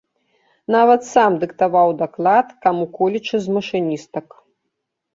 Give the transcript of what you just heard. Нават сам дыктаваў даклад каму-колечы з машыністак.